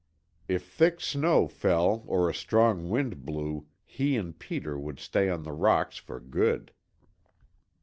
If thick snow fell or a strong wind blew, he and Peter would stay on the rocks for good.